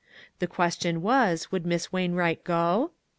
The question was, would Miss Wainwright go?